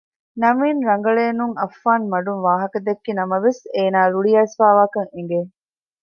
ނަވީން ރަނގަޅޭނުން އައްފާން މަޑުން ވާހަކަ ދެއްކި ނަމަވެސް އޭނާ ރުޅި އައިސްފައިވާކަން އެނގެ